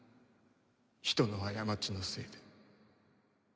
人の過ちのせいで。